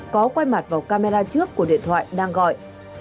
có quay mặt vào camera trước của điện thoại đang gọi